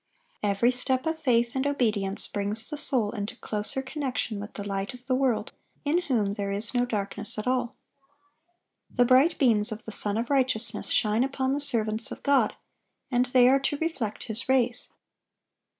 (821) Every step of faith and obedience brings the soul into closer connection with the Light of the world, in whom "there is no darkness at all." The bright beams of the Sun of Righteousness shine upon the servants of God, and they are to reflect His rays.